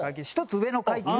１つ上の階級。